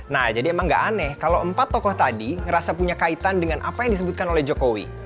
nah jadi emang gak aneh kalau empat tokoh tadi ngerasa punya kaitan dengan apa yang disebutkan oleh jokowi